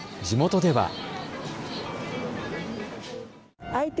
地元では。